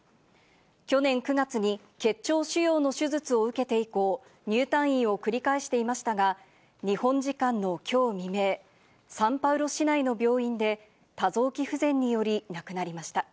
去年９月に、結腸腫瘍の手術を受けて以降、入退院を繰り返していましたが、日本時間のきょう未明、サンパウロ市内の病院で、多臓器不全により亡くなりました。